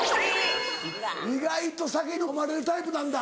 意外と酒にのまれるタイプなんだ。